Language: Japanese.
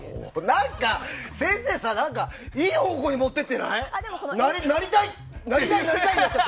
何か先生さ、いい方向に持っていってないかな。